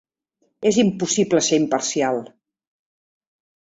És impossible ser imparcial.